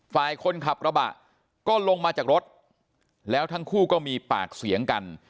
ฝ่ายคนขับกระบะก็ลงมาจากรถแล้วทั้งคู่ก็มีปากเสียงกัน